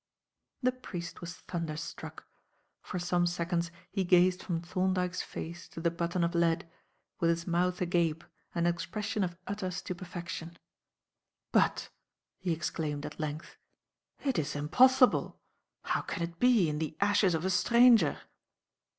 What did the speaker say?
The priest was thunderstruck. For some seconds, he gazed from Thorndyke's face to the button of lead, with his mouth agape and an expression of utter stupefaction. "But," he exclaimed, at length, "it is impossible! How can it be, in the ashes of a stranger!"